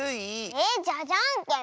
えっじゃあじゃんけん！